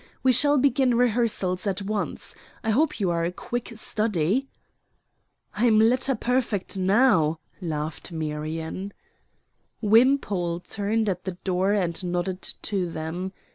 We shall begin rehearsals at once. I hope you are a quick study." "I'm letter perfect now{,}" laughed Marion. Wimpole turned at the door and nodded to them.